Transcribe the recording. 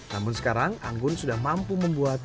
namun sekarang anggun sudah mampu membuat